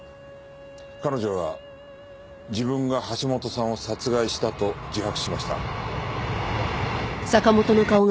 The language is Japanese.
彼女は自分が橋本さんを殺害したと自白しました。